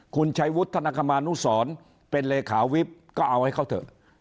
คุณชัยวุฒนคมานุสรเป็นเลขาวิบก็เอาให้เขาเถอะ